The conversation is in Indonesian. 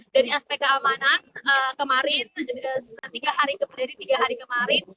dari aspek keamanan kemarin tiga hari kemarin